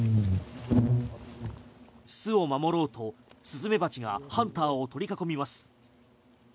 巣を守ろうとスズメバチがハンターを取り囲みます。